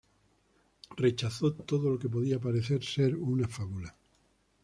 Rechazó todo lo que podía parecer ser una fábula.